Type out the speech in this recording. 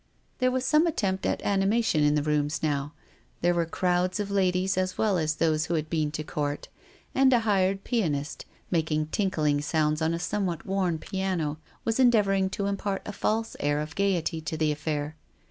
There was some attempt at animation in the rooms now. There were crowds of ladies 284 THE STORY OF A MODERN WOMAN. as well as those who had been to Court, and a hired pianist, making tinkling sounds on a somewhat worn piano, was endeavouring to impart a false air of gaiety to the affair.